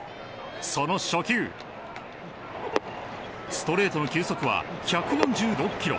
その初球ストレートの球速は１４６キロ。